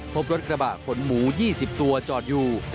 พบรถกระบะขนหมู๒๐ตัวจอดอยู่